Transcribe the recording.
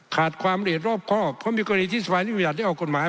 ขาดความเดชรอบครอบเพราะมีกรณีที่สภานิติบัติได้ออกกฎหมาย